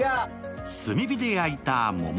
炭火で焼いたもも